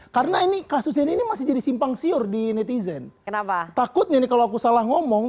karena ini kasus ini masih jadi simpang siur di netizen kenapa takutnya kalau aku salah ngomong